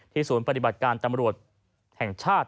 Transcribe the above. ศูนย์ปฏิบัติการตำรวจแห่งชาติ